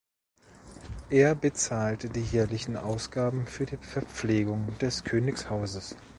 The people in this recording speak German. Er bezahlte die jährlichen Ausgaben für die Verpflegung des Königshauses.